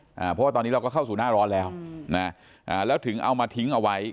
เพราะว่าตอนนี้เราก็เข้าสู่หน้าร้อนแล้วนะอ่าแล้วถึงเอามาทิ้งเอาไว้